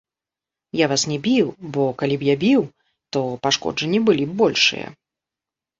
Я вас не біў, бо калі б я біў, то пашкоджанні былі б большыя.